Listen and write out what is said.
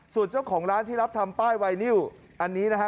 ส่วนเจ้าของร้านที่รับทำป้ายไวนิวอันนี้นะฮะ